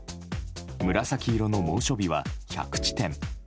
紫色の猛暑日は１００地点